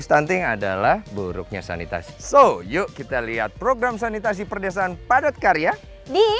stunting adalah buruknya sanitasi so yuk kita lihat program sanitasi perdesaan padat karya di